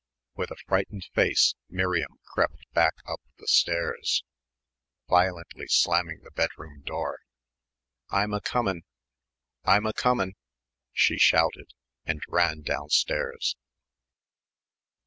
With a frightened face Miriam crept back up the stairs. Violently slamming the bedroom door, "I'm a comin' I'm a comin'," she shouted and ran downstairs.